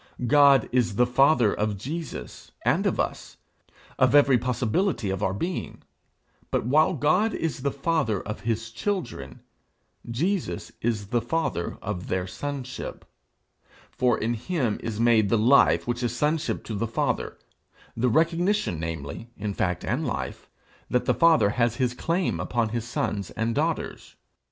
God is the father of Jesus and of us of every possibility of our being; but while God is the father of his children, Jesus is the father of their sonship; for in him is made the life which is sonship to the Father the recognition, namely, in fact and life, that the Father has his claim upon his sons and daughters.